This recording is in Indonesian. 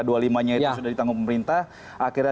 sudah ditanggung pemerintah akhirnya